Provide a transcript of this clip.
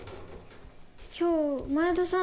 今日前田さん